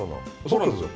そうなんですよ。